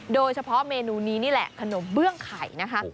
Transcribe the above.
โดยเฉพาะเมนูนี้นี่แหละขนมเบื้องไข่นะคะ